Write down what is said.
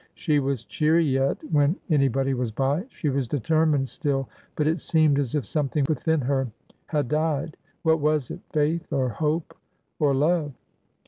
She was cheery yet, when any body was by; she was determined still, but it seemed as if something within her had died. What was it? Faith? or hope? or love?